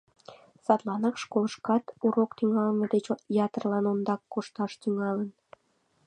Садланак школышкат урок тӱҥалме деч ятырлан ондак кошташ, тӱҥалын.